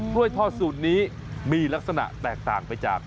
้วยทอดสูตรนี้มีลักษณะแตกต่างไปจาก